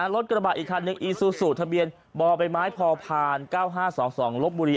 รถกระบะอีกคันหนึ่งอีซูซูทะเบียนบ่อใบไม้พอผ่าน๙๕๒๒ลบบุรี